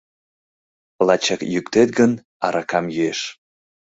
Лачак йӱктет гын, аракам йӱэш.